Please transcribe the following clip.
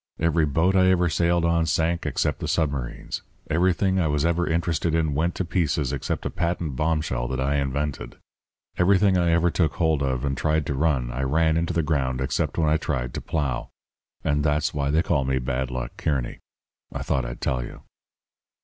Every boat I ever sailed on sank except the submarines. Everything I was ever interested in went to pieces except a patent bombshell that I invented. Everything I ever took hold of and tried to run I ran into the ground except when I tried to plough. And that's why they call me Bad Luck Kearny. I thought I'd tell you.'